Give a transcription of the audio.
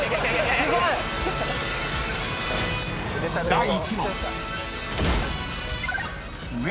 ［第１問］